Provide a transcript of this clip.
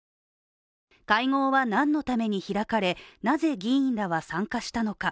会合は何のために開かれなぜ議員らは参加したのか。